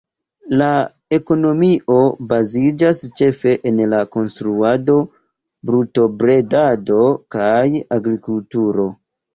La ekonomio baziĝas ĉefe en la konstruado, brutobredado kaj agrikulturo.